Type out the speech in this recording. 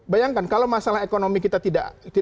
bayangkan kalau masalah ekonomi kita tidak